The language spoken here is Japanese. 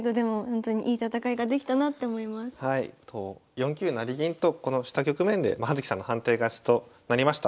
４九成銀とこのした局面で葉月さんの判定勝ちとなりました。